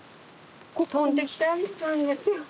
飛んできたんですよ。